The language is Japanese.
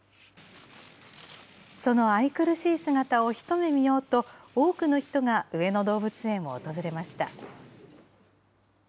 その愛くるしい姿を一目見ようと、多くの人が上野動物園を訪れました。